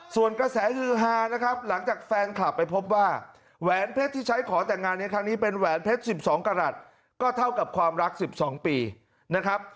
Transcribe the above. ส่วนกระแสฮือฮานะครับหลังจากแฟนคลับไปพบว่าแหวนเพชรที่ใช้ขอแต่งงานในครั้งนี้เป็นแหวนเพชร๑๒กรัฐก็เท่ากับความรัก๑๒ปีนะครับ